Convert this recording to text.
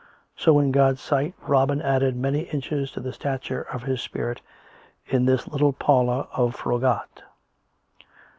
So in God's sight Robin added many inches to the stature of his spirit in this little parlour of Froggatt.